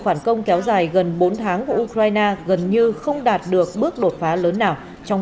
phản công kéo dài gần bốn tháng của ukraine gần như không đạt được bước đột phá lớn nào trong